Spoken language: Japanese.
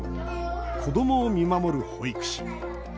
子どもを見守る保育士。